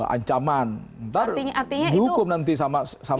ancaman nanti dihukum nanti sama sipir